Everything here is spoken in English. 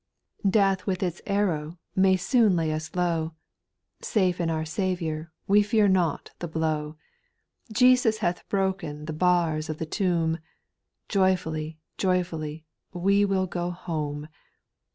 Death, with its arrow, may soon lay us low ; Safe in our Saviour, we fear not the blow : Jesus hath broken the bars of the tomb — Joyfully, joyfully, we will go home.